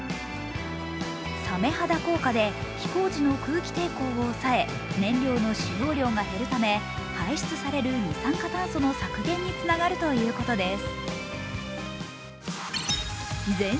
さめ肌効果で飛行時の空気抵抗を抑え燃料の使用量が減るため、排出される二酸化炭素の削減につながるということです。